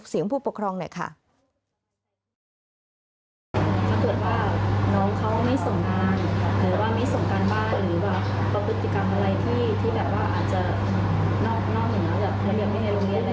หรือว่าประกฏกรรมอะไรที่อาจจะนอกเหมือนกับเรียบมีในโรงเรียนอะไรอย่างนี้ค่ะ